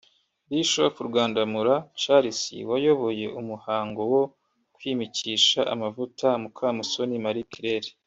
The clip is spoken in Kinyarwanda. Bishop Rwandamura Charles wayoboye umuhango wo kwimikisha amavuta Mukamusoni Marie Claire